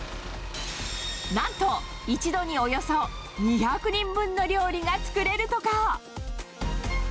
なんと一度におよそ２００人分の料理が作れるとか。